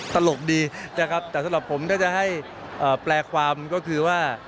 ตลกดีแต่สำหรับผมจะให้แปลความหรือก็คือว่า